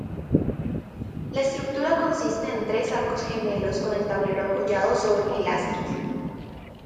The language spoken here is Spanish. La estructura consiste en tres arcos gemelos con el tablero apoyado sobre pilastras.